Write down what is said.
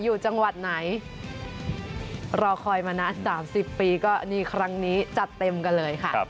อยู่จังหวัดไหนรอคอยมานาน๓๐ปีก็นี่ครั้งนี้จัดเต็มกันเลยค่ะ